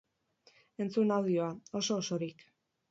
Entzun audioa, oso-osorik!